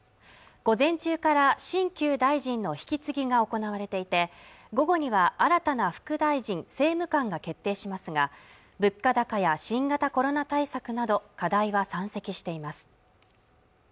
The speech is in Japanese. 午前中から新旧大臣の引き継ぎが行われていて午後には新たな副大臣・政務官が決定しますが物価高や新型コロナ対策など課題は山積しています